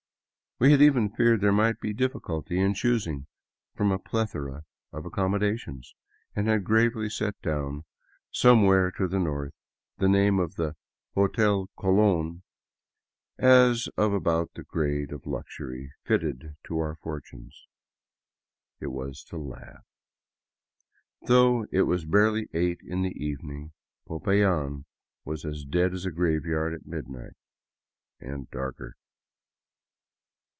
We had even feared there might be difficulty in choosing from a plethora of accommodations, and had gravely set down, somewhere to the north, the name of the " Hotel Colon " as of about the grade of luxury fitted to our fortunes. It was to laugh. Though it was barely eight in the evening, Popayan was as dead as a graveyard at midnight — and darker.